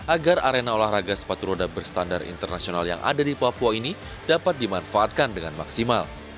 agar arena olahraga sepatu roda berstandar internasional yang ada di papua ini dapat dimanfaatkan dengan maksimal